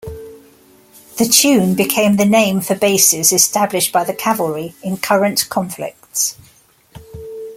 The tune became the name for bases established by the Cavalry in current conflicts.